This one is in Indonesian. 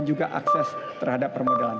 dan juga akses terhadap permodalan